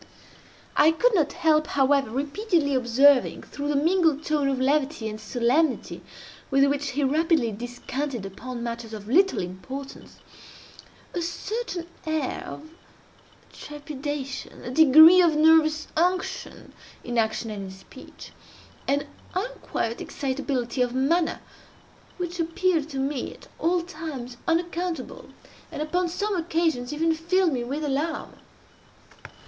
I could not help, however, repeatedly observing, through the mingled tone of levity and solemnity with which he rapidly descanted upon matters of little importance, a certain air of trepidation—a degree of nervous unction in action and in speech—an unquiet excitability of manner which appeared to me at all times unaccountable, and upon some occasions even filled me with alarm.